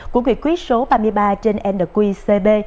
của quyền quyết số ba mươi ba trên nqcb